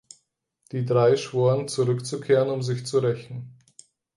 Die drei schworen, zurückzukehren, um sich zu rächen.